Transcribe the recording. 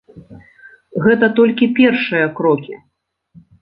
Гэта толькі першыя крокі.